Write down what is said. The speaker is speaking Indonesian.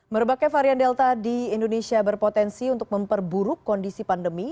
merebaknya varian delta di indonesia berpotensi untuk memperburuk kondisi pandemi